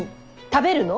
食べるの？